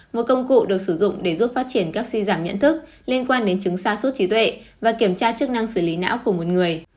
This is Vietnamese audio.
một công cụ được sử dụng để giúp phát triển các suy giảm nhận thức liên quan đến chứng xa suốt trí tuệ và kiểm tra chức năng xử lý não của một người